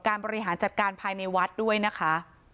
การประหลาดจัดการภายในวัดด้วยนะคะ